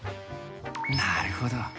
なるほど。